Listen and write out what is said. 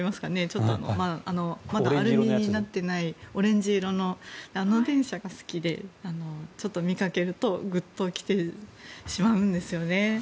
ちょっとまだアルミになっていないオレンジ色のあの電車が好きで見かけるとグッと来てしまうんですよね。